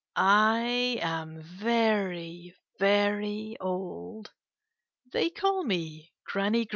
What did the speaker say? I am very, very old. They call me Granny Gray.